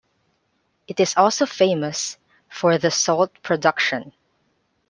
It is also famous for the salt production.